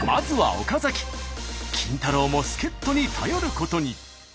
キンタロー。も助っ人に頼ることに。